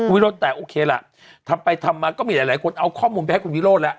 วิโรธแต่โอเคล่ะทำไปทำมาก็มีหลายคนเอาข้อมูลไปให้คุณวิโรธแล้ว